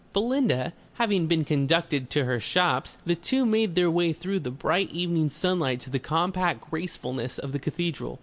Belinda having been conducted to her shops, the two made their way through the bright evening sunlight to the compact gracefulness of the cathedral.